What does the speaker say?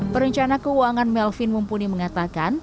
perencana keuangan melvin mumpuni mengatakan